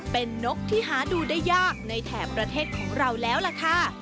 เป็นนกที่หาดูได้ยากในแถบประเทศของเราแล้วล่ะค่ะ